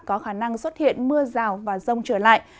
có khả năng xuất hiện mưa rào và rông trở lại